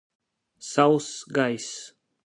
Sauss gaiss.